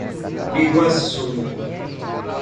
Biguaçu